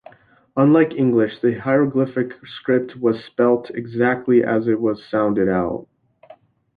Unlike English, the hieroglyphic script was spelt exactly as it was sounded out.